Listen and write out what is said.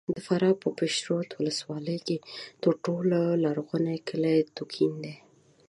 د فراه په پشترود ولسوالۍ کې تر ټولو لرغونی کلی دوکین دی!